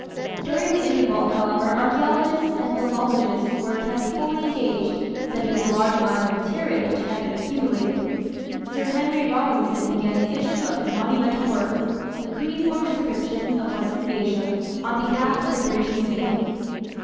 During the interval, however, archaeologists and philologists were kept fully engaged studying the large amount of material which had been accumulated. Sir Henry Rawlinson began the issue of his monumental work The Cuneiform Inscriptions of Western Asia on behalf of the British Museum.